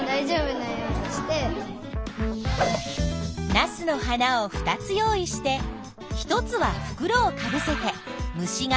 ナスの花を２つ用意して１つはふくろをかぶせて虫が来ないようにする。